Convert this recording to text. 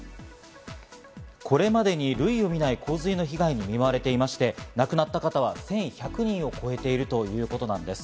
これまでに類をみない洪水の被害に見舞われていまして、亡くなった方は１１００人を超えているということなんです。